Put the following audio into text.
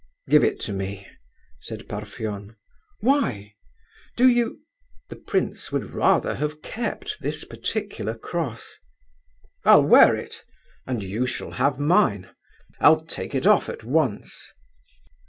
"Give it to me," said Parfen. "Why? do you—" The prince would rather have kept this particular cross. "I'll wear it; and you shall have mine. I'll take it off at once."